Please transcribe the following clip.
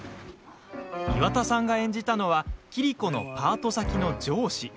岩田さんが演じたのは桐子のパート先の上司。